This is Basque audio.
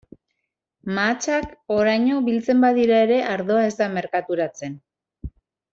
Mahatsak oraino biltzen badira ere ardoa ez da merkaturatzen.